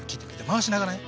回しながら？